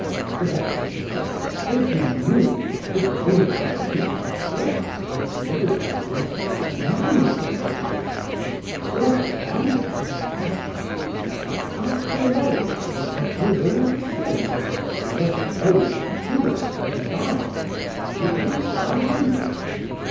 But, excellency, if you knew, if you only had the least idea, how difficult it is to get money nowadays! Where to find it is the question. Ask for a loan, the answer is always the same: 'Give us gold, jewels, or diamonds, and it will be quite easy.